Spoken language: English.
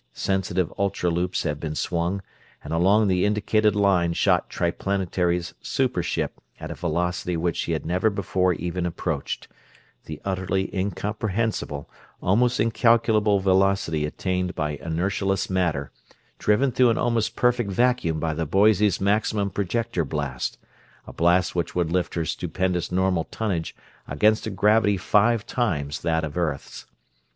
Sensitive ultra loops had been swung, and along the indicated line shot Triplanetary's super ship at a velocity which she had never before even approached; the utterly incomprehensible, almost incalculable velocity attained by inertialess matter, driven through an almost perfect vacuum by the Boise's maximum projector blast a blast which would lift her stupendous normal tonnage against a gravity five times that of earth's!